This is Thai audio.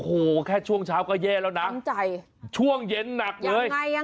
โอ้โหแค่ช่วงเช้าก็แย่แล้วนะช่วงเย็นหนักเลยไงอ่ะ